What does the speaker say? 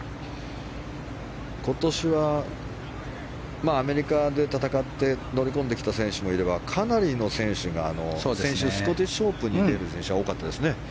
今年はアメリカで戦って乗り込んできた選手もいればかなりの選手がスコティッシュオープンに出る選手が多かったですね。